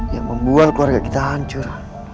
yang membuat keluarga kita hancur